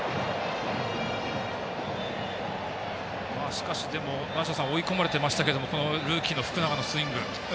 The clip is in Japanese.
しかし、梨田さん追い込まれていましたけどもルーキーの福永のスイング。